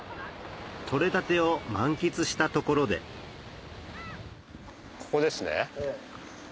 取れたてを満喫したところでここですね。